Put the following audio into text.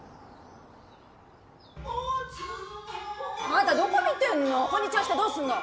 あなたどこ見てんの。